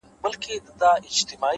• یوه غټه زنګوله یې وه په غاړه ,